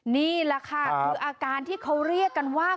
นี่แหละค่ะคืออาการที่เขาเรียกกันว่า